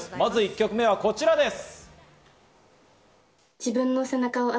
まず１曲目はこちらです。